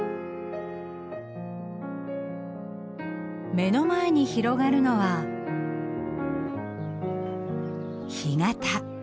目の前に広がるのは干潟。